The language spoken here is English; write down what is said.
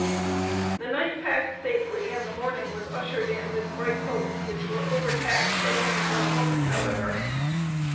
The night passed safely and the morning was ushered in with bright hopes which were overcast but only for a moment, however.